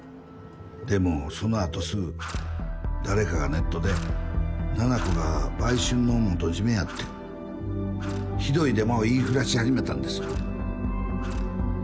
でもその後すぐ誰かがネットで七菜子が売春の元締やってひどいデマを言い触らし始めたんです。